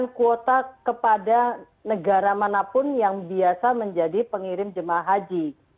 memberikan kuota kepada negara manapun yang biasa menjadi pengirim jemaah haji